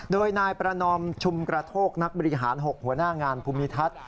โดยนายประนอมชุมกระโทกนักบริหาร๖หัวหน้างานภูมิทัศน์